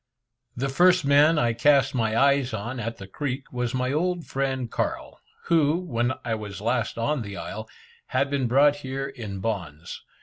The first man I cast my eyes on at the creek, was my old friend Carl, who, when I was last on the isle, had been brought here in bonds.